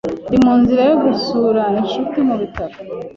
Ndi mu nzira yo gusura inshuti mu bitaro.